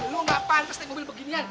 lo gak pantes naik mobil beginian